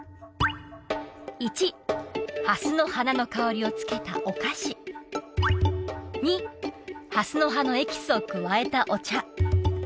１蓮の花の香りをつけたお菓子２蓮の葉のエキスを加えたお茶